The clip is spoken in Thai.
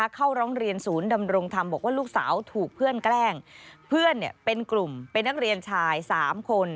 เข้าร้องเรียนศูนย์ดำรงธรรมบอกว่าลูกสาวถูกเพื่อนแกล้งเพื่อนเป็นกลุ่มเป็นนักเรียนชาย๓คน